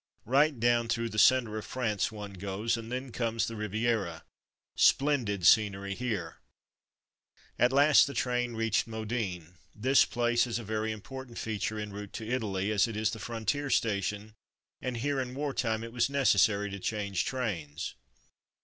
Right down through the centre of France one goes, and then comes the Riviera. Splendid scenery here. At last the train reached Modane. This place is a very important feature en route to Italy, as it is the frontier station, and here in war time it was necessary to change trains.